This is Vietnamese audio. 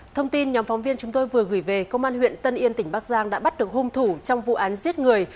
thông tin nhóm phóng viên chúng tôi vừa gửi về công an huyện tân yên tỉnh bắc giang đã bắt được hung thủ trong vụ án giết người